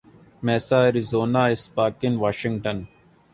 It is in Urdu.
Misa Arizona Spokane Washington